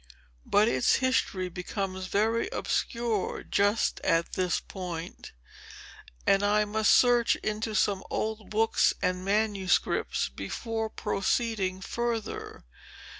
"But its history becomes very obscure just at this point; and I must search into some old books and manuscripts, before proceeding further.